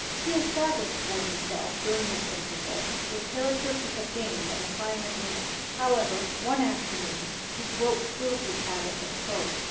He established for himself during this interval the character he had gained of a silent man; however, one afternoon he broke through his habit and spoke.